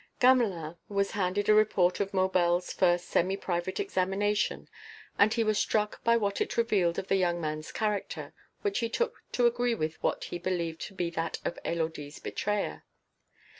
Gamelin was handed a report of Maubel's first semi private examination and he was struck by what it revealed of the young man's character, which he took to agree with what he believed to be that of Élodie's betrayer.